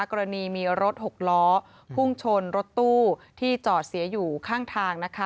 กรณีมีรถหกล้อพุ่งชนรถตู้ที่จอดเสียอยู่ข้างทางนะคะ